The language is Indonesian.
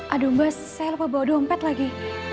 aduh mbak saya lupa bawa dompet lagi